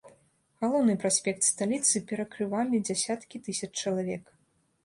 Галоўны праспект сталіцы перакрывалі дзясяткі тысяч чалавек.